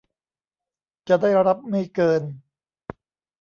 จะได้รับไม่เกิน